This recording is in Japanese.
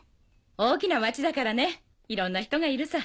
大きな町だからねいろんな人がいるさ。